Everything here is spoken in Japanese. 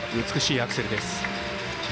美しいアクセルです。